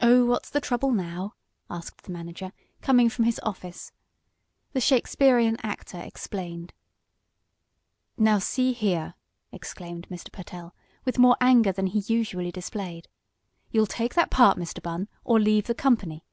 "Oh, what's the trouble now?" asked the manager, coming from his office. The Shakespearean actor explained. "Now see here!" exclaimed Mr. Pertell, with more anger than he usually displayed. "You'll take that part, Mr. Bunn, or leave the company!